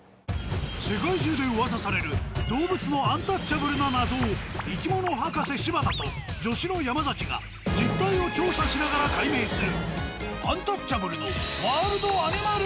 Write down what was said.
世界中で噂される動物のアンタッチャブルな謎を生き物博士・柴田と助手の山崎が実態を調査しながら解明する。